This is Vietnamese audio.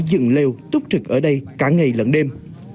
dựng lêu túc trực ở đây cả ngày lận đêm